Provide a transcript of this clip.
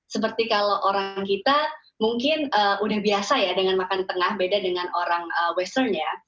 seperti kalau orang kita mungkin udah biasa ya dengan makan tengah beda dengan orang western ya